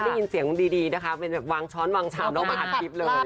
ได้ยินเสียงดีนะคะเป็นแบบวางช้อนวางชามแล้วมาอัดคลิปเลย